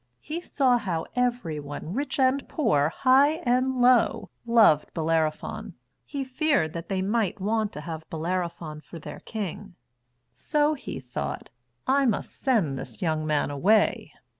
He saw how everyone, rich and poor, high and low, loved Bellerophon. He feared that they might want to have Bellerophon for their King. So he thought, "I must send this young man away."